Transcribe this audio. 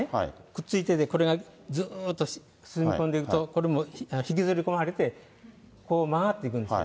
くっついてて、これがずっと沈み込んでいくと、これも引きずり込まれて、こう曲がっていくんです。